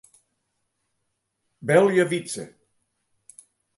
Belje Wytse.